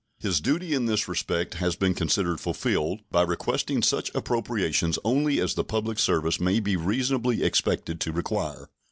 His duty in this respect has been considered fulfilled by requesting such appropriations only as the public service may be reasonably expected to require.